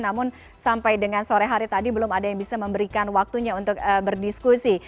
namun sampai dengan sore hari tadi belum ada yang bisa memberikan waktunya untuk berdiskusi